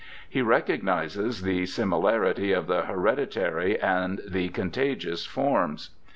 He recognizes the similarity of the hereditary and the contagious forms.